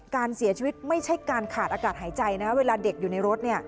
การเสียชีวิตไม่ใช่การขาดอากาศหายใจนะเวลาเด็กอยู่ในรถ